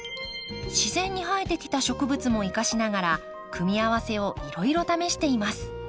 自然に生えてきた植物も生かしながら組み合わせをいろいろ試しています。